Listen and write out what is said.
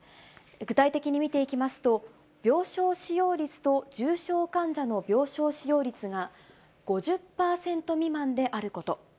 具体的に見ていきますと、病床使用率と重症患者の病床使用率が５０％未満であること。